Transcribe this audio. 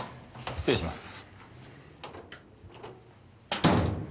失礼します！